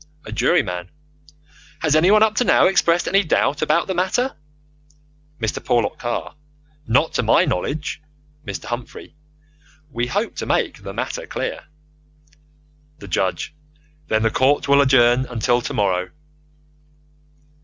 A Juryman: Has anyone up to now expressed any doubt about the matter? Mr. Porlock Carr: Not to my knowledge. Mr. Humphrey: We hope to make the matter clear. The Judge: Then the court adjourns until tomorrow.